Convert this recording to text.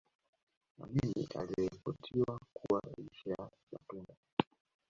Amin aliripotiwa kula lishe ya matunda